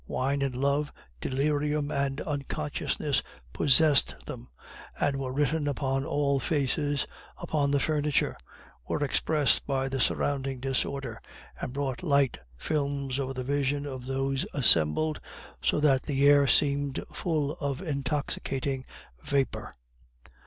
Wine and love, delirium and unconsciousness possessed them, and were written upon all faces, upon the furniture; were expressed by the surrounding disorder, and brought light films over the vision of those assembled, so that the air seemed full of intoxicating vapor.